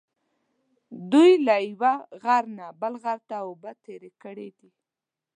دوی له یوه غره نه بل ته اوبه تېرې کړې دي.